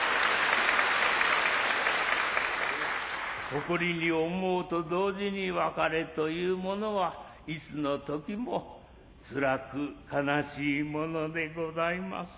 誇りに思うと同時に別れというものはいつの時もつらく悲しいものでございます。